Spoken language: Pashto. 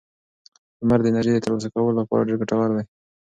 لمر د انرژۍ د ترلاسه کولو لپاره ډېر ګټور دی.